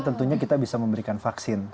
tentunya kita bisa memberikan vaksin